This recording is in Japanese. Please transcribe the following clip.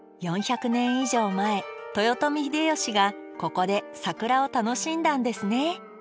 ４００年以上前豊臣秀吉がここで桜を楽しんだんですね。